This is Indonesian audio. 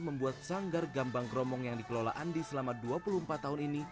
membuat sanggar gambang kromong yang dikelola andi selama dua puluh empat tahun ini